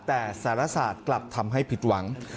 แต่สารศาสตร์กลับทำให้ผิดหวัง